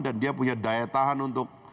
dan dia punya daya tahan untuk